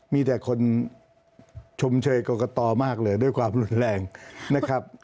มีแต่คนชมเชยกรกตมากเลยด้วยความรุนแรงนะครับ